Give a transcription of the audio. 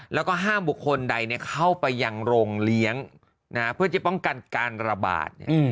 แล้วก็ห้ามบุคคลใดเข้าไปยังโรงเลี้ยงเพื่อจะป้องกันการระบาด